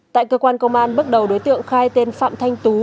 tại cơ quan công an bước đầu đối tượng khai tên phạm thanh tú